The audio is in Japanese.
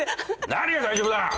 何が大丈夫だ！